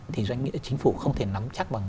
thì doanh nghiệp chính phủ không thể nắm chắc